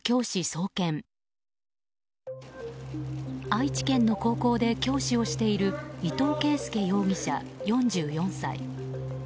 愛知県の高校で教師をしている伊藤啓介容疑者、４４歳。